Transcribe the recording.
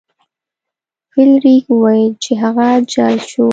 فلیریک وویل چې هغه جل شو.